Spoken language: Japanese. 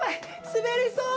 滑りそう！